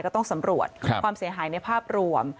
ก็ต้องสำรวจความเสียหายในภาพรวม